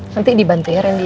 nanti dibantuinya randy ya